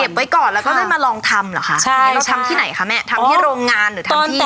ไว้ก่อนแล้วก็ได้มาลองทำเหรอคะใช่เราทำที่ไหนคะแม่ทำที่โรงงานหรือทำที่